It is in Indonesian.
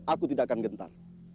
aku tidak akan gentar